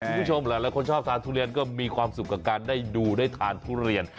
คุณผู้ชมหลายคนชอบทานทุเรียนก็มีความสุขกับการได้ดูได้ทานทุเรียน